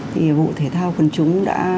thì vụ thể thao quần chúng